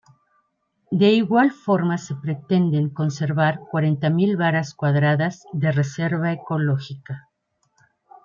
De igual forma se pretende conservar cuarenta mil varas cuadradas de reserva ecológica.